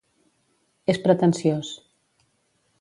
És pretensiós.